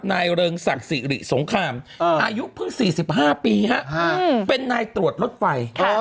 เริงศักดิ์สิริสงครามอายุเพิ่ง๔๕ปีเป็นนายตรวจรถไฟ